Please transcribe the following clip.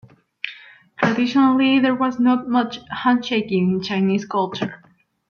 Traditionally, there was not much hand-shaking in Chinese culture.